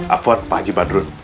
apa kabar pak haji badrut